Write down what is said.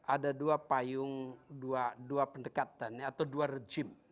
ada dua payung dua pendekatan atau dua rejim